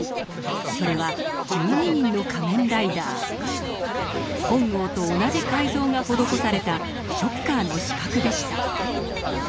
それは本郷と同じ改造が施されたショッカーの刺客でした。